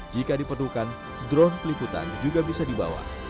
jika diperlukan drone peliputan juga bisa dibawa